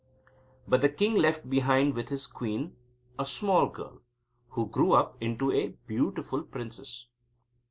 But the king left behind with his queen a small girl, who grew up into a beautiful princess.